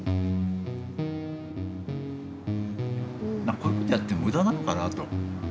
こういうことやっても無駄なのかなと。